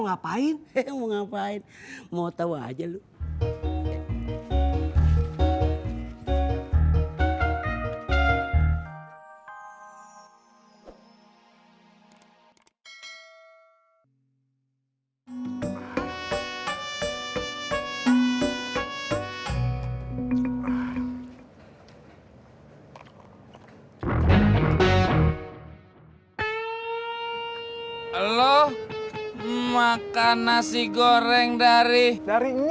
siapa yang suruh lo makan nasi goreng dari ani